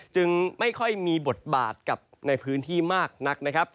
จึงไม่ค่อยมีบทบาทกับในพื้นที่มากนักนะครับ